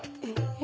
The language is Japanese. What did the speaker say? え？